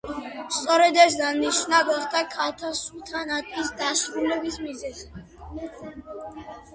სწორედ ეს დანიშვნა გახდა ქალთა სულთანატის დასრულების მიზეზი.